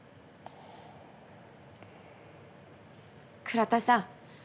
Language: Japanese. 倉田さん